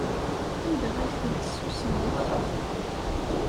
Anda ay ten-tessusfemt?